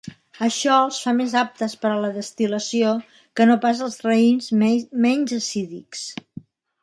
Això els fa més aptes per a la destil·lació que no pas els raïms menys acídics.